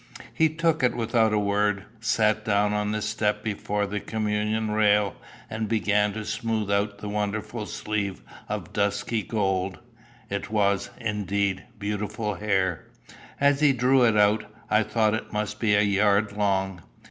He took it without a word, sat down on the step before the communion rail, and began to smooth out the wonderful sleave of dusky gold. It was, indeed, beautiful hair. As he drew it out, I thought it must be a yard long.